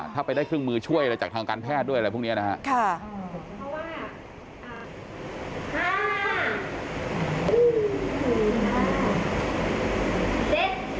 ถ้าไปได้เครื่องมือช่วยอะไรจากทางการแพทย์ด้วยอะไรพวกนี้นะครับ